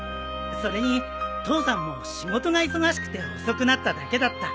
それに父さんも仕事が忙しくて遅くなっただけだった。